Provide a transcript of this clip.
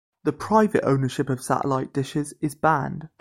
The private ownership of satellite dishes is banned.